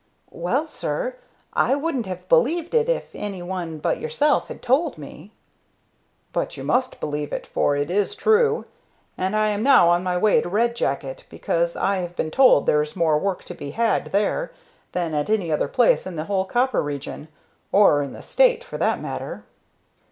"Well, sir, I wouldn't have believed it if any one but yourself had told me." "But you must believe it, for it is true, and I am now on my way to Red Jacket because I have been told there is more work to be had there than at any other place in the whole copper region, or in the State, for that matter."